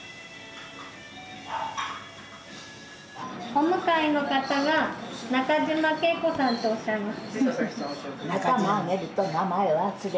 お向かいの方が中嶋圭子さんとおっしゃいます。